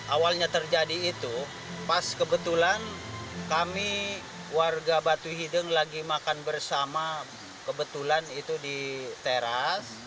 awalnya terjadi itu pas kebetulan kami warga batu hideng lagi makan bersama kebetulan itu di teras